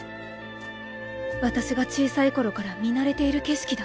私が小さい頃から見慣れている景色だ